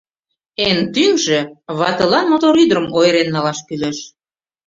Эн тӱҥжӧ — ватылан мотор ӱдырым ойырен налаш кӱлеш.